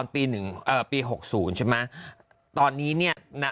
เปียก